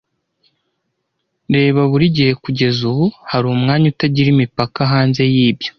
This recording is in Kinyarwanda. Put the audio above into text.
Reba burigihe kugeza ubu, hari umwanya utagira imipaka hanze yibyo,